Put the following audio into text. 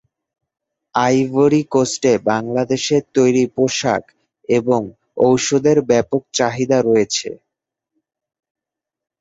Ivory কোস্টে বাংলাদেশের তৈরি পোশাক এবং ঔষধের ব্যাপক চাহিদা রয়েছে।